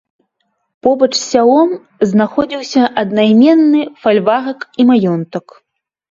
Побач з сялом знаходзіўся аднайменны фальварак і маёнтак.